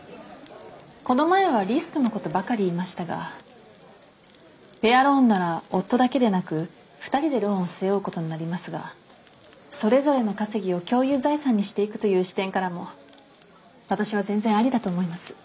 この前はリスクのことばかり言いましたがペアローンなら夫だけでなく二人でローンを背負うことになりますがそれぞれの稼ぎを共有財産にしていくという視点からも私は全然アリだと思います。